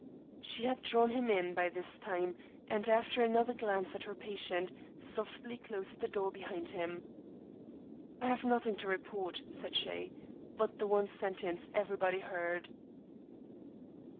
She had drawn him in, by this time, and, after another glance at her patient, softly closed the door behind him. "I have nothing to report," said she, "but the one sentence everybody heard."